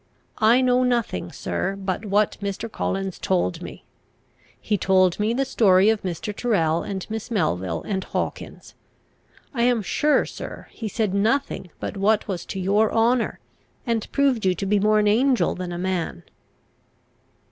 I know nothing, sir, but what Mr. Collins told me. He told me the story of Mr. Tyrrel and Miss Melville and Hawkins. I am sure, sir, he said nothing but what was to your honour, and proved you to be more an angel than a man."